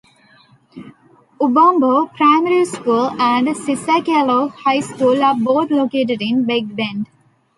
Ubombo Primary School and Sisekelo High School are both located in Big Bend.